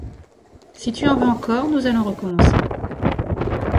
Si tu en veux encore, nous allons recommencer.